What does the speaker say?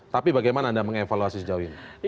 tapi bagaimana anda mengevaluasi sejauh ini